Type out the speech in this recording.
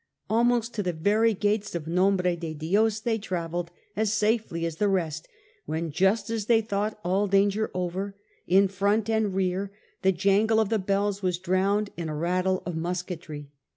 Almost to the very gates of Nombre de Dios they travelled as safely as the rest, when just as they thought all danger over, in front and reai* the jangle of the bells was drowned in a rattle of musketry.